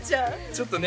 ちょっとね